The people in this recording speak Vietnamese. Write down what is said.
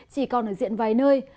chỉ còn ở diện vài nơi